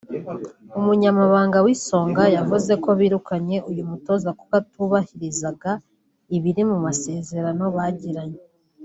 umunyamabanga w’Isonga yavuze ko birukanye uyu mutoza kuko atubahirizaga ibiri mu masezerano bagiranye